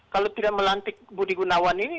kalau tidak melantik budi gunawan ini